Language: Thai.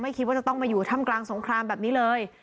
คิดว่าจะต้องมาอยู่ถ้ำกลางสงครามแบบนี้เลย